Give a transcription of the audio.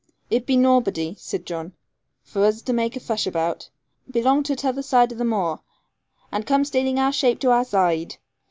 'It be nawbody,' said John, 'vor us to make a fush about. Belong to t'other zide o' the moor, and come staling shape to our zide.